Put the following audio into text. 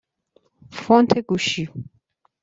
فونت گوشی